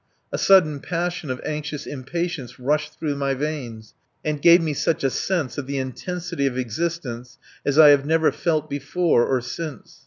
A sudden passion of anxious impatience rushed through my veins, gave me such a sense of the intensity of existence as I have never felt before or since.